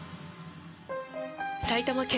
埼玉県。